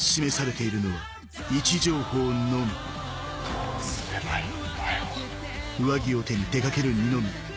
どうすればいいんだよ。